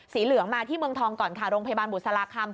เหลืองมาที่เมืองทองก่อนค่ะโรงพยาบาลบุษราคำ